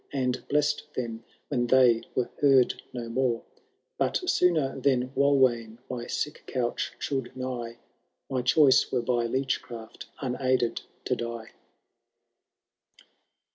And bless*d them when they wen heard no moro v» But sooner than Walwayn my sick couch should nigh. My choice wera by leech eraft unaided to die.